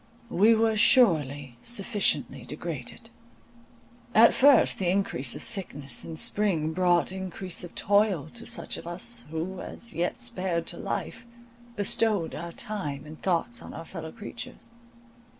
We were surely sufficiently degraded. At first the increase of sickness in spring brought increase of toil to such of us, who, as yet spared to life, bestowed our time and thoughts on our fellow creatures.